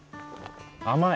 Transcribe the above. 甘い！